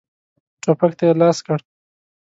ټوپک ته یې لاس کړ.